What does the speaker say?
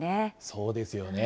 そうですよね。